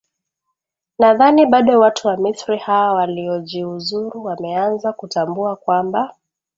nadhani bado watu wa misri hawa waliojiuzuru wameanza kutambua kwamba